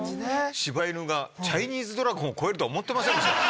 柴犬がチャイニーズドラゴンを超えるとは思ってませんでした。